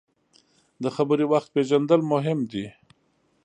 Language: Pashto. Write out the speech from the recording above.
د خبرې وخت پیژندل مهم دي.